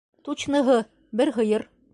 Тучныһы: бер һыйыр!